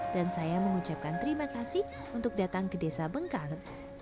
dan saya mengucapkan terima kasih untuk datang ke desa bengkala